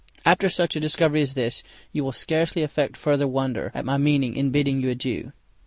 After such a discovery as this, you will scarcely affect further wonder at my meaning in bidding you adieu.